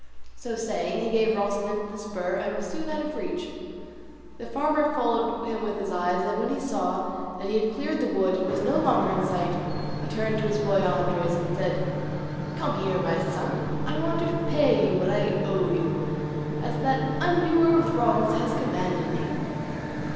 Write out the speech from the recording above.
So saying, he gave Rocinante the spur and was soon out of reach. The farmer followed him with his eyes, and when he saw that he had cleared the wood and was no longer in sight, he turned to his boy Andres, and said, "Come here, my son, I want to pay you what I owe you, as that undoer of wrongs has commanded me."